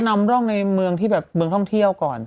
นำร่องในเมืองที่แบบเมืองท่องเที่ยวก่อน